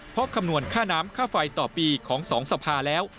เพราะคำนวณค่าน้ำค่าไฟต่อปีของ๒สภาแล้ว